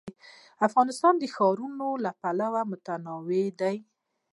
افغانستان د ښارونه له پلوه متنوع دی.